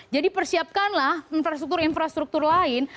jadi persiapkanlah infrastruktur infrastruktur lain